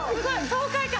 爽快感！